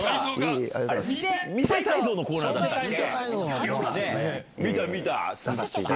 見せたいぞうのコーナーだったっけ。